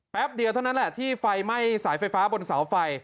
เดียวเท่านั้นแหละที่ไฟไหม้สายไฟฟ้าบนเสาไฟ